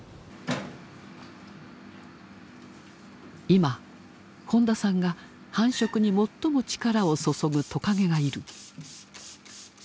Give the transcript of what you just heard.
今本田さんが繁殖に最も力を注ぐトカゲがいる。